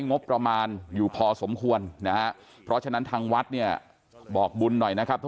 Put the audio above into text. งบประมาณอยู่พอสมควรนะฮะเพราะฉะนั้นทางวัดเนี่ยบอกบุญหน่อยนะครับผู้